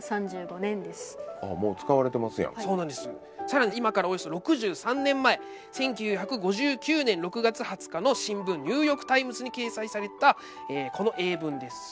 更に今からおよそ６３年前１９５９年６月２０日の新聞「ニューヨーク・タイムズ」に掲載されたこの英文です。